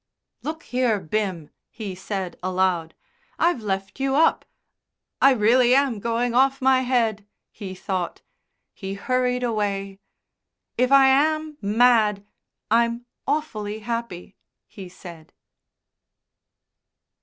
"Look here, Bim," he said aloud, "I've left you up I really am going off my head!" he thought. He hurried away. "If I am mad I'm awfully happy," he said.